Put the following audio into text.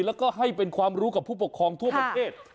แล้วก็ให้เป็นความรู้กับผู้ปกครองทั่วประเทศ